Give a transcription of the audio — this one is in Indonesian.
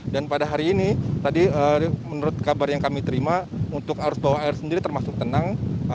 dan pada hari ini tadi menurut kabar yang kami terima untuk arus bawah air sendiri termasuk tenang